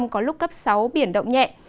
có lúc cấp sáu biển động nhẹ